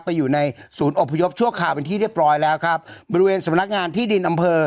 อยู่ในศูนย์อบพยพชั่วคราวเป็นที่เรียบร้อยแล้วครับบริเวณสำนักงานที่ดินอำเภอ